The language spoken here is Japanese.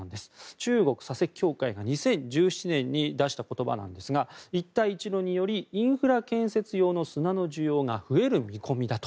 中国砂石協会が２０１７年に出した言葉ですが一帯一路によりインフラ建設用の砂の需要が増える見込みだと。